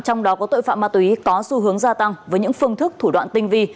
trong đó có tội phạm ma túy có xu hướng gia tăng với những phương thức thủ đoạn tinh vi